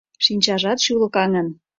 Шинчажат шӱлыкаҥын.